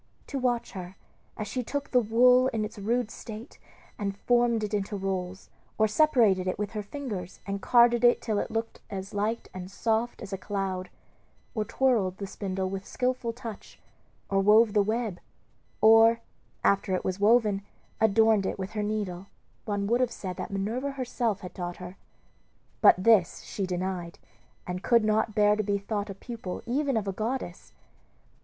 To watch her, as she took the wool in its rude state and formed it into rolls, or separated it with her fingers and carded it till it looked as light and soft as a cloud, or twirled the spindle with skilful touch, or wove the web, or, after it was woven, adorned it with her needle, one would have said that Minerva herself had taught her. But this she denied, and could not bear to be thought a pupil even of a goddess.